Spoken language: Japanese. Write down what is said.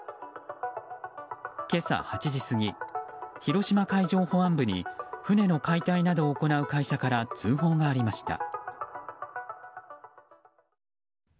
今朝８時過ぎ、広島海上保安部に船の解体などを行う会社から通報がありました。